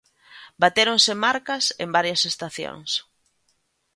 Batéronse marcas en varias estacións.